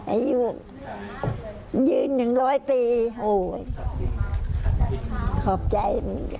อายุยืนอย่างร้อยปีโอ้ยขอบใจ